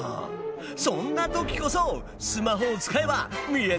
そんな時こそスマホを使えば見えてくるぞ！